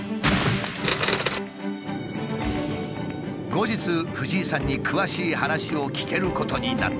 後日藤井さんに詳しい話を聞けることになった。